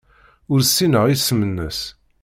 Ur ssineɣ isem-nnes.